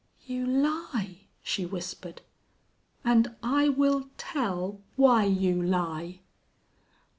"You lie!" she whispered. "And I will tell why you lie!"